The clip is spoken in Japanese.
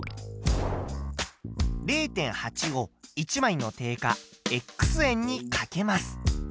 ０．８を１枚の定価円にかけます。